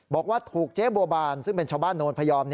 บอกว่าถูกเจ๊บัวบานซึ่งเป็นชาวบ้านโนนพยอม